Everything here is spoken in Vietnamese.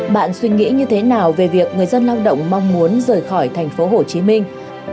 bạn suy nghĩ như thế nào về việc người dân lao động mong muốn rời khỏi thành phố hồ chí minh